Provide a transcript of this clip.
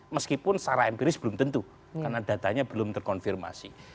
meskipun secara empiris belum tentu karena datanya belum terkonfirmasi